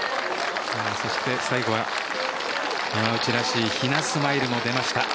そして最後は山内らしいひなスマイルも出ました。